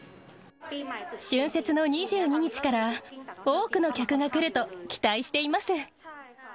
春節の２２日から、多くの客が来ると期待しています。